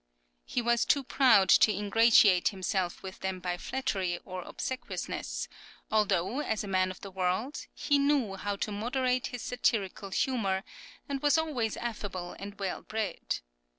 He was too proud to ingratiate himself with them by flattery or obsequiousness, although, as a man of the world, he knew how to moderate his satirical humour, and was always affable and well bred.